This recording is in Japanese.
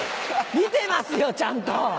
見てますよちゃんと！